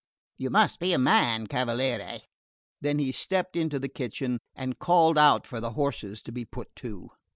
You must be a man, cavaliere." Then he stepped into the kitchen, and called out for the horses to be put to.